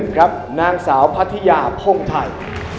ครับนางสาวพัทยาพงไทย